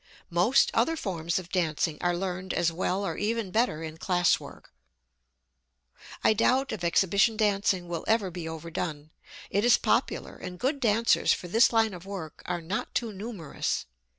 Most other forms of dancing are learned as well or even better in classwork. I doubt if exhibition dancing will ever be overdone. It is popular, and good dancers for this line of work are not too numerous.